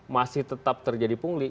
masih tetap terjadi pungli